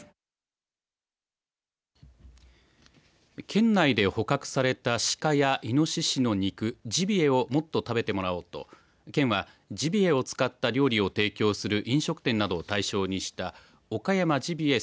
県内で捕獲された鹿やいのししの肉ジビエをもっと食べてもらおうと県は、ジビエを使った料理を提供する飲食店などを対象にしたおかやまジビエ